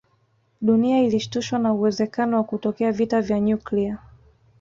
Dunia ilishtushwa na uwezekano wa kutokea vita vya nyuklia